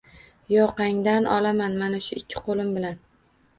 Yoqangdan olaman mana shu ikki qo‘lim bilan